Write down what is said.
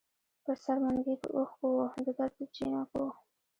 پر سر منګي د اوښکـــــو وو د درد دجینکــــو